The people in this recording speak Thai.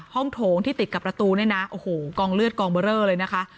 โถงที่ติดกับประตูเนี่ยนะโอ้โหกองเลือดกองเบอร์เรอเลยนะคะ